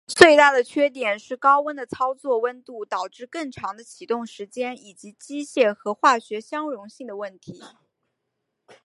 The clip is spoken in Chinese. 最大的缺点是高温的操作温度导致更长的启动时间以及机械和化学相容性的问题。